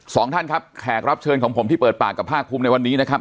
สองท่านครับแขกรับเชิญของผมที่เปิดปากกับภาคภูมิในวันนี้นะครับ